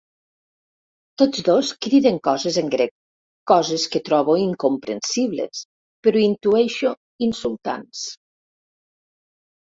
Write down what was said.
Tots dos criden coses en grec, coses que trobo incomprensibles però intueixo insultants.